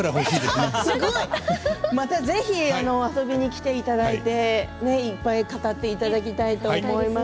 ぜひ遊びに来ていただいていっぱい語っていただきたいと思います。